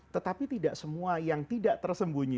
tetapi tidak semua yang tidak tersembunyi